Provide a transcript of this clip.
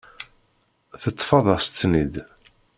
Teṭṭfeḍ-as-ten-id.